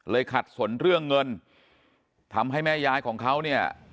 ขัดสนเรื่องเงินทำให้แม่ยายของเขาเนี่ย